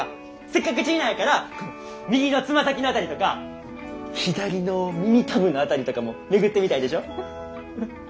せっかく血ぃなんやから右のつま先の辺りとか左の耳たぶの辺りとかも巡ってみたいでしょ。